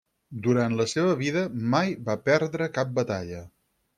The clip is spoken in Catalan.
Durant la seva vida, mai va perdre cap batalla.